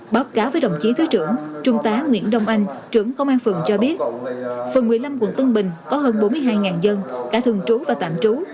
báo cáo với đồng chí thứ trưởng trung tá nguyễn đông anh trưởng công an phường cho biết phường một mươi năm quận tân bình có hơn bốn mươi hai dân đã thường trú và tạm trú